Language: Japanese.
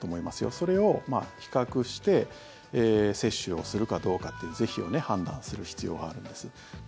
それを比較して接種をするかどうかという是非を判断する必要があるんです。